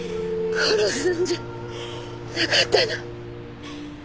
殺すんじゃなかったの？